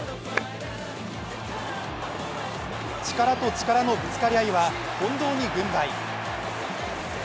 力と力のぶつかり合いは近藤に軍配。